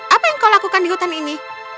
apa yang kau lakukan di hutan ini